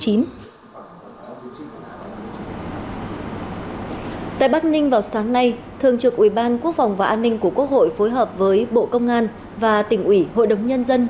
tại bắc ninh vào sáng nay thường trực ubqvn của quốc hội phối hợp với bộ công an và tỉnh ủy hội đồng nhân dân